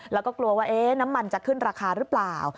แล้วก็กลัวว่าน้ำมันจะขึ้นราคาหรือเปล่า